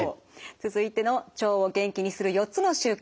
続いての「腸を元気にする４つの習慣」